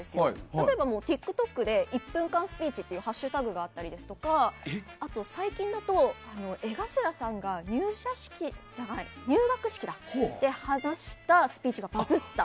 例えば、ＴｉｋＴｏｋで１分間スピーチっていうハッシュタグがあったりとかあと最近だと江頭さんが入学式で話したスピーチがバズった。